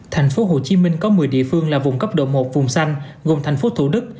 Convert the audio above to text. tp hcm có một mươi địa phương là vùng cấp độ một vùng xanh gồm thành phố thủ đức